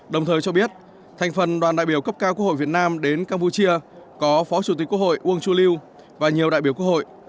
đồng thời cho biết thành phần đoàn đại biểu cấp cao quốc hội việt nam đến campuchia có phó chủ tịch quốc hội uông chu lưu và nhiều đại biểu quốc hội